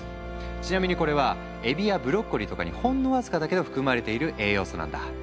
ちなみにこれはエビやブロッコリーとかにほんの僅かだけど含まれている栄養素なんだ。